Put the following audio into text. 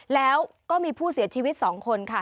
แล้วก็มีผู้เสียชีวิต๒คนค่ะ